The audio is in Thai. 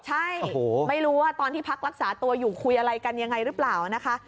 ใช่ไม่รู้ว่าตอนที่พักรักษาตัวอยู่คุยอะไรกันยังไงหรือเปล่านะคะ